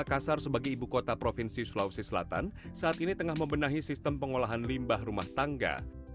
makassar sebagai ibu kota provinsi sulawesi selatan saat ini tengah membenahi sistem pengolahan limbah rumah tangga